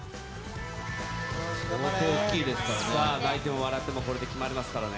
さあ、泣いても笑ってもこれで決まりますからね。